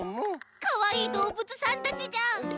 かわいいどうぶつさんたちじゃん。